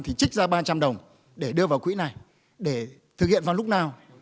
thì trích ra ba trăm linh đồng để đưa vào quỹ này để thực hiện vào lúc nào